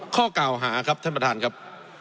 ข้อกล่าวหาครับท่านประธานครับ